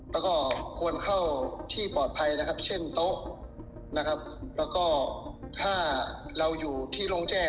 แล้วก็ควรเข้าที่ปลอดภัยนะครับเช่นโต๊ะนะครับแล้วก็ถ้าเราอยู่ที่โรงแจ้